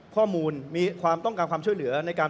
ข้อมูลมีความต้องการความเชื่อเหลือไว้ในการ